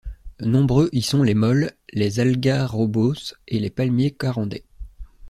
Nombreux y sont les molles, les algarrobos et les palmiers caranday.